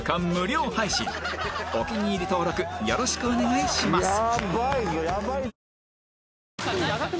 お気に入り登録よろしくお願いします